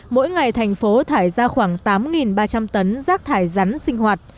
mỗi ngày thành phố thải ra khoảng tám ba trăm linh tấn rác thải rắn sinh hoạt